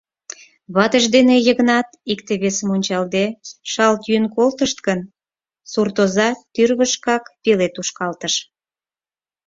Ватыж ден Йыгнат, икте-весым ончалде, шалт йӱын колтышт гын, суртоза тӱрвышкак веле тушкалтыш.